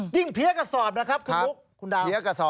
ยิ่งเพียร์กระสอบนะครับคุณลุก